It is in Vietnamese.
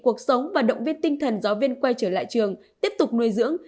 cuộc sống và động viên tinh thần giáo viên quay trở lại trường tiếp tục nuôi dưỡng